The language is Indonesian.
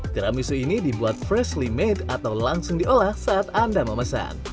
tiramisu ini dibuat freshly mate atau langsung diolah saat anda memesan